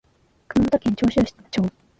熊本県長洲町